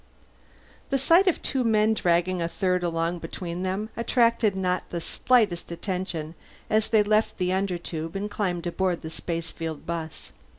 The sight of two men dragging a third along between them attracted not the slightest attention as they left the Undertube and climbed aboard the spacefield bus.